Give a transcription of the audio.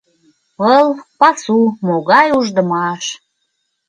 — Пыл, пасу... могай уждымаш!